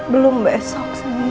belum besok sayang